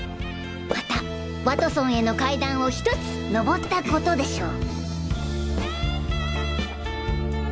またワトソンへの階段を１つのぼったことでしょう！